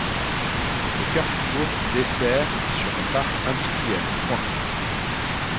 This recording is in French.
Ce carrefour dessert sur un parc industriel.